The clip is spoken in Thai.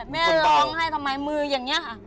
แม่ร้องไห้ทำไมมืออย่างนี้ค่ะ